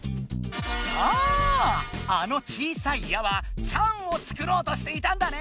あああの小さい「や」は「ちゃん」を作ろうとしていたんだね。